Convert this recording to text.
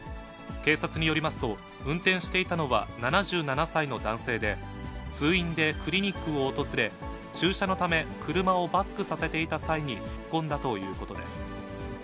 警察によりますと、運転していたのは７７歳の男性で、通院でクリニックを訪れ、駐車のため、車をバックさせていた際に突っ込んだということです。